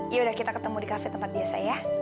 yaudah kita ketemu di kafe tempat biasa ya